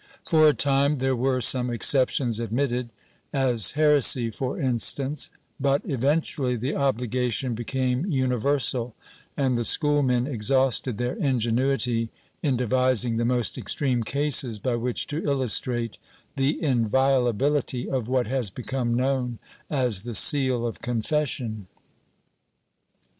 For a time there were some exceptions admitted, as heresy for instance, but eventually the obligation became univer sal and the schoolmen exhausted their ingenuity in devising the most extreme cases by which to illustrate the inviolability of what has become known as the seal of confession.